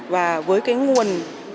và với cái nguồn